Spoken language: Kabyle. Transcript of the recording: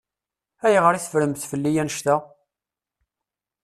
Ayɣer i teffremt fell-i annect-a?